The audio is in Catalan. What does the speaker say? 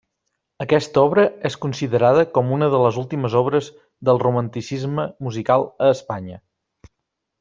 Aquesta obra és considerada com una de les últimes obres del Romanticisme musical a Espanya.